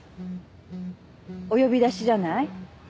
お呼び出しじゃない？